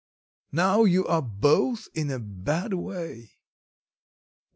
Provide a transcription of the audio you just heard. Now you are both in a bad way.